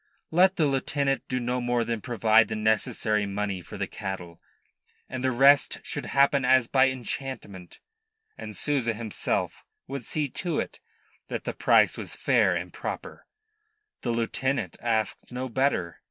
Let the lieutenant do no more than provide the necessary money for the cattle, and the rest should happen as by enchantment and Souza himself would see to it that the price was fair and proper. The lieutenant asked no better.